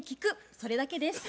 それだけです。